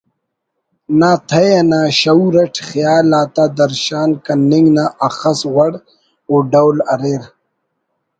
نا تہہ انا شعور اٹ خیال آتا درشان کننگ نا اخس وڑ و ڈول اریر